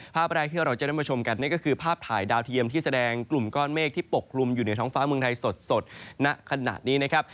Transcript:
ภาพแรกที่เราจะได้มาชมกันนั่นก็คือภาพถ่ายดาวเทียมที่แสดงกลุ่มก้อนเมฆที่ปกลุ่มอยู่เหนือท้องฟ้าเมืองไทยสดณขณะนี้นะครับ